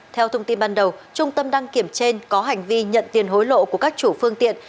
theo thông tin ban đầu trung tâm đăng kiểm trên có hành vi nhận tiền hối lộ của các chủ phương tiện